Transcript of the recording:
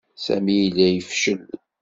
Sami yella yefcel.